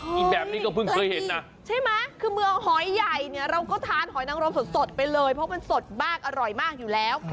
กินแบบนี้ก็เพิ่งเคยเห็นนะใช่ไหมคือเมืองหอยใหญ่เนี่ยเราก็ทานหอยนังรมสดไปเลยเพราะมันสดมากอร่อยมากอยู่แล้ว